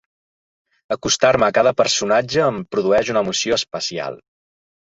Acostar-me a cada personatge em produeix una emoció especial.